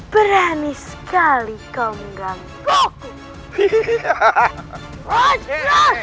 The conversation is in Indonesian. berani sekali kau mengganggu